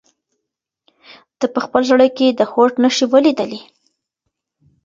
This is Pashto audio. ده په خپل زړه کې د هوډ نښې ولیدلې.